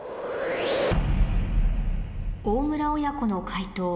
大村親子の解答